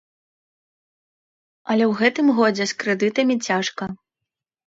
Але ў гэтым годзе з крэдытамі цяжка.